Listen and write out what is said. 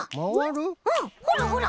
うんほらほら！